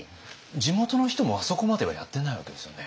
地元の人もあそこまではやってないわけですよね？